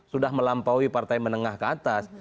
sudah melampaui partai menengah ke atas